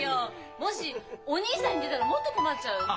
もしお義兄さんに似てたらもっと困っちゃうよねえ。